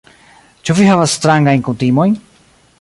Ĉu vi havas strangajn kutimojn?